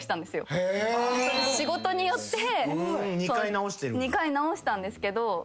仕事によって２回直したんですけど。